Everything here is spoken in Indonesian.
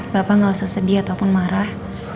bapak nggak usah sedih ataupun marah